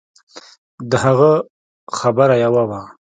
د هغه خبره يوه وه.